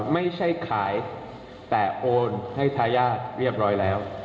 ไม่ใช่ขายแต่โอนให้ทายาทเรียบร้อยแล้ว